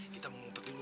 kita mau ngumpet dulu